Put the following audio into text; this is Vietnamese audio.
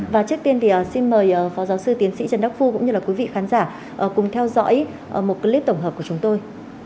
và trước tiên thì xin mời phó giáo sư tiến sĩ trần đắc phu cũng như là quý vị khán giả cùng theo dõi một clip tổng hợp của chúng tôi